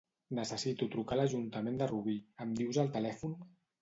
Necessito trucar a l'Ajuntament de Rubí, em dius el telèfon?